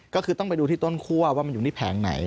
ก็คือต้องไปดูที่ต้นคั่วว่ามันอยู่ที่แผงไหน